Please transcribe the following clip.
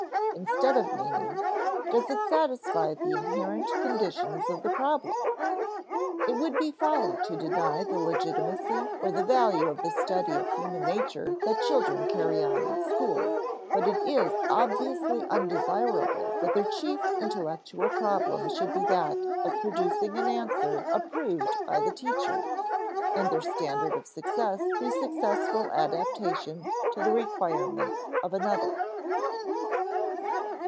instead of meaning, "Does it satisfy the inherent conditions of the problem?" It would be folly to deny the legitimacy or the value of the study of human nature that children carry on in school; but it is obviously undesirable that their chief intellectual problem should be that of producing an answer approved by the teacher, and their standard of success be successful adaptation to the requirements of another.